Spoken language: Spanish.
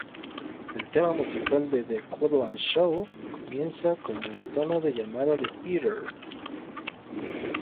El tema musical de The Cleveland Show comienza como tono de llamada de Peter.